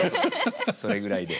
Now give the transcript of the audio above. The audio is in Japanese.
それぐらいで。